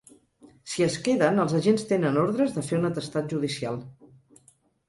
Si es queden, els agents tenen ordres de fer un atestat judicial.